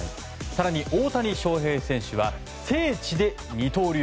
更に大谷翔平選手は聖地で二刀流。